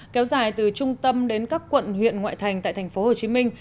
kéo dài từ trung tâm đến các quận huyện ngoại thành tại thành phố hồ chí minh